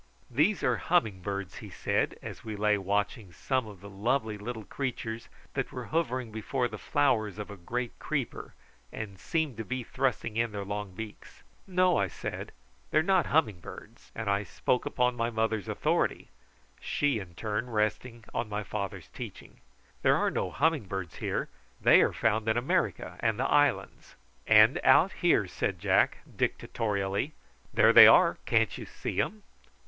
"These are humming birds," he said, as we lay watching some of the lovely little creatures that were hovering before the flowers of a great creeper, and seemed to be thrusting in their long beaks. "No," I said, "they are not humming birds;" and I spoke upon my mother's authority, she in turn resting on my father's teaching. "There are no humming birds here: they are found in America and the islands." "And out here," said Jack, dictatorially. "There they are; can't you see 'em?"